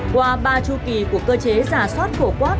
qua ba chu kỳ của cơ chế giả soát phổ quát